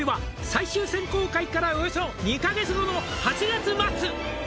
「最終選考会からおよそ２か月後の８月末」